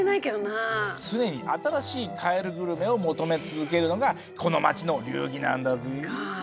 常に新しいカエルグルメを求め続けるのがこの町の流儀なんだぜ。